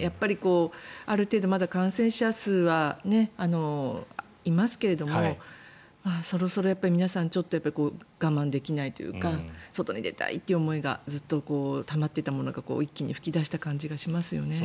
やっぱり、ある程度感染者数はいますけれどもそろそろ皆さん我慢できないというか外に出たいという思いがずっとたまっていたものが一気に噴き出した感じがしますよね。